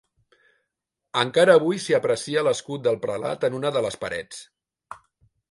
Encara avui dia s'hi aprecia l'escut del prelat en una de les parets.